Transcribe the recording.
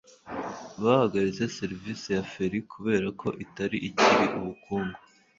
bahagaritse serivisi ya feri kubera ko itari ikiri ubukungu